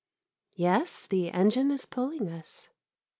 Yes, the engine is pulling us.